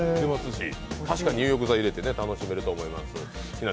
確かに入浴剤入れて楽しめると思います。